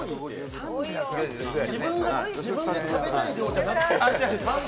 自分が食べたい量じゃなくて？